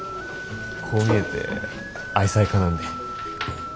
こう見えて愛妻家なんで。